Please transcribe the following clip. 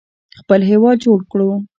خپل هیواد جوړ کړو.